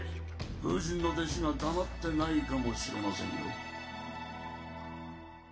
風神の弟子が・黙ってないかもしれませんよ。